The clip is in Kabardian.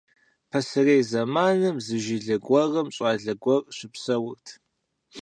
Пасэрей зэманым зы жылэ гуэрым щӀалэ гуэр щыпсэурт.